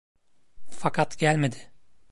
Fakat gelmedi.